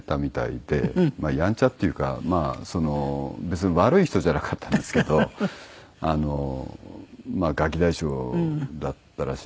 やんちゃっていうかまあその別に悪い人じゃなかったんですけどガキ大将だったらしいんですよね。